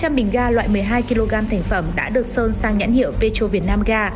hơn năm trăm linh bình ga loại một mươi hai kg thành phẩm đã được sơn sang nhãn hiệu vecho việt nam ga